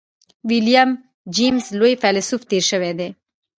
ويليم جېمز لوی فيلسوف تېر شوی دی.